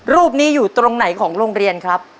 รูปนี้อยู่ตรงไหนของโรงเรียนครับ